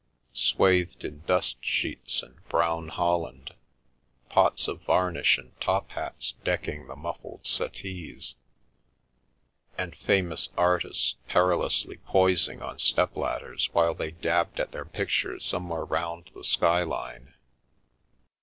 swathed in dust sheets and brown hoi 328 The View from the Attic land, pots of varnish and top hats decking the muffled settees, and famous artists perilously poising on step ladders while they dabbed at their pictures somewhere round the sky line.